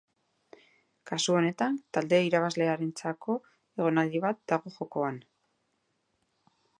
Kasu honetan, talde irabazlearentzako egonaldi bat dago jokoan.